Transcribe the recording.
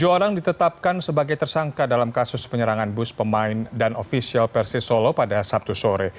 tujuh orang ditetapkan sebagai tersangka dalam kasus penyerangan bus pemain dan ofisial persis solo pada sabtu sore